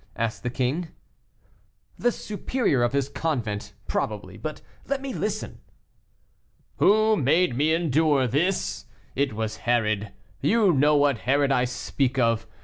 asked the king. "The superior of his convent, probably but let me listen." "Who made me endure this? It was Herod; you know what Herod I speak of.